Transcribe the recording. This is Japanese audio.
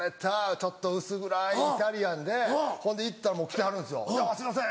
ちょっと薄暗いイタリアンでほんで行ったらもう来てはるんですよすいません！